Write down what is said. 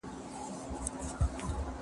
هغه څېړونکی چي ډېر کار کوي تل بریالی وي.